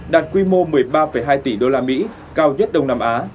đạt quy mô một mươi ba hai tỷ usd cao nhất đông nam á